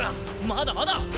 まだまだ！